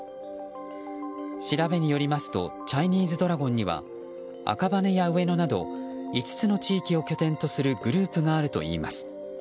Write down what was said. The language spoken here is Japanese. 調べによりますとチャイニーズドラゴンには赤羽や上野など５つの地域を拠点とするグループがあるといいます。